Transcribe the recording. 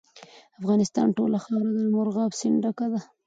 د افغانستان ټوله خاوره له مورغاب سیند ډکه ده.